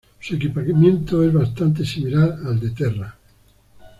Su equipamiento es bastante similar al de Terra.